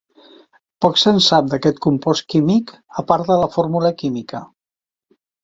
Poc se'n sap d'aquest compost químic, a part de la fórmula química.